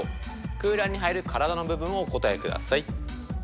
空欄に入る体の部分をお答えください。